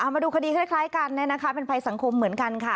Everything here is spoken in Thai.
มาดูคดีคล้ายกันเป็นภัยสังคมเหมือนกันค่ะ